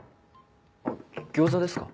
あっ餃子ですか？